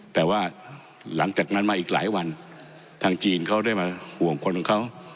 แต่ว่าหลังจากนั้นมาอีกหลายวันทางจีนเขาได้มาห่วงคนของเขา